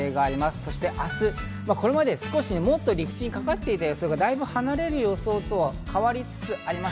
そして明日、これまで陸地にかかってた予想がだいぶ離れる予想に変わりつつあります。